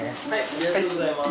ありがとうございます。